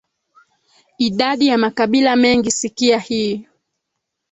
Idadi ya makabila mengi Sikia hii